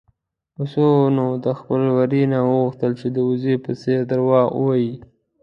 پسونو د خپل وري نه وغوښتل چې د وزې په څېر دروغ ووايي.